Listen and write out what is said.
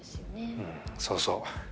うんそうそう。